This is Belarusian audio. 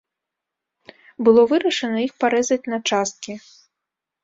Было вырашана іх парэзаць на часткі.